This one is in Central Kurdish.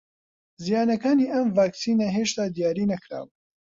زیانەکانی ئەم ڤاکسینە هێشتا دیاری نەکراوە